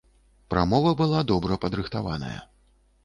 Прамова была добра падрыхтаваная.